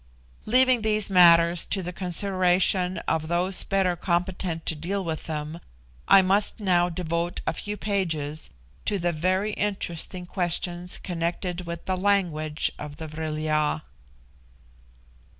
Leaving these matters to the consideration of those better competent to deal with them, I must now devote a few pages to the very interesting questions connected with the language of the Vril ya.